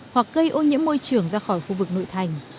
hoặc gây ô nhiễm môi trường ra khỏi khu vực nội thành